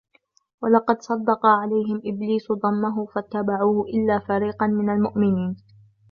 وَلَقَدْ صَدَّقَ عَلَيْهِمْ إِبْلِيسُ ظَنَّهُ فَاتَّبَعُوهُ إِلَّا فَرِيقًا مِنَ الْمُؤْمِنِينَ